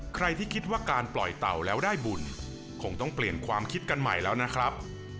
ใครที่คิดว่าการปล่อยเต่าแล้วได้บุญคงต้องเปลี่ยนความคิดกันใหม่แล้วนะครับ